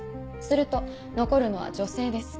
すると残るのは女性です